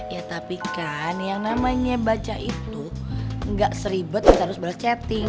ya tapi kan yang namanya baca itu gak seribet yang harus balas chatting